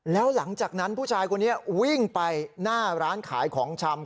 แล้วหลังจากนั้นผู้ชายคนนี้วิ่งไปหน้าร้านขายของชำ